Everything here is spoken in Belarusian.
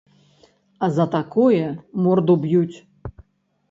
А за такое морду б'юць.